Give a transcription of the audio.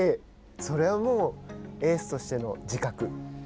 それはもうエースとしての自覚？